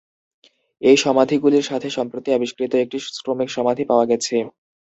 এই সমাধিগুলির সাথে সম্প্রতি আবিষ্কৃত একটি শ্রমিক সমাধি পাওয়া গেছে।